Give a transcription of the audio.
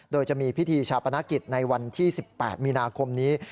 โดยจะมีพิธีชาปนกิจในวันที่๑๘มีนาคมนี้